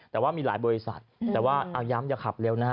แต่ว่ามีหลายบริษัทแต่ว่าเอาย้ำอย่าขับเร็วนะฮะ